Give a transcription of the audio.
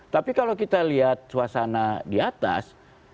tapi kalau kita lihat suasana di atas